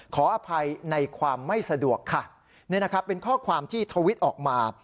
ขออภัยในความไม่สะดวกค่ะนี่นะครับเป็นข้อความที่ทวิตออกมา